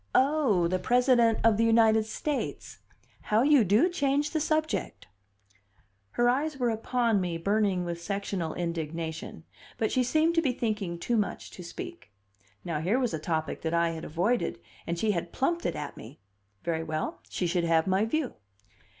"Oh, the President of the United States! How you do change the subject!" Her eyes were upon me, burning with sectional indignation, but she seemed to be thinking too much to speak. Now, here was a topic that I had avoided, and she had plumped it at me. Very well; she should have my view.